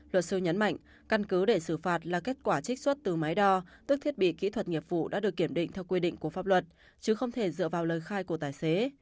luật sư nhấn mạnh căn cứ để xử phạt là kết quả trích xuất từ máy đo tức thiết bị kỹ thuật nghiệp vụ đã được kiểm định theo quy định của pháp luật chứ không thể dựa vào lời khai của tài xế